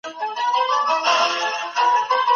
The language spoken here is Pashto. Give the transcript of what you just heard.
په لویه جرګه کي د راستنو سویو کډوالو استازي څوک دي؟